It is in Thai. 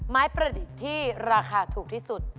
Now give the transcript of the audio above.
ประดิษฐ์ที่ราคาถูกที่สุด